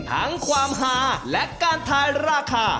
ทั้งความหาและการทายราคา